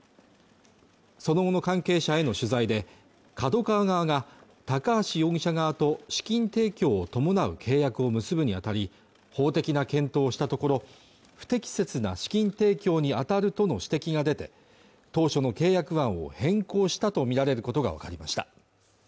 その後の関係者への取材でＫＡＤＯＫＡＷＡ側が高橋容疑者側と資金提供を伴う契約を結ぶにあたり法的な検討したところ不適切な資金提供に当たるとの指摘が出て当初の契約案を変更したと見られることが分かりました